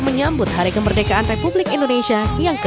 menyambut hari kemerdekaan republik indonesia yang ke dua puluh